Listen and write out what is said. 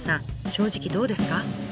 正直どうですか？